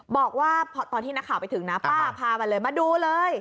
บอกว่าตอนที่นักข่าวไปถึงนะป้าพามาเลยมาดูเลย